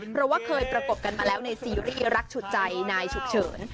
เพราะว่าเคยประกบกันมาแล้วในซีรีส์รักฉุดใจนายฉุกเฉิน